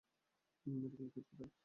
Medical kit কোথায়?